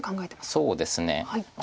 そうですね。